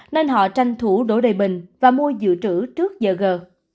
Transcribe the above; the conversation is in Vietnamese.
nên họ tranh thủ đổ đầy bình và mua dự trữ trước giờ gờ